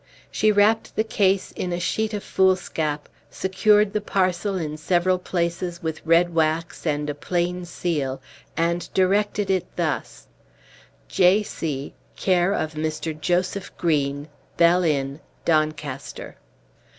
She wrapped the case in a sheet of foolscap, secured the parcel in several places with red wax and a plain seal, and directed it thus: "J. C., Care of Mr. Joseph Green, Bell Inn, Doncaster."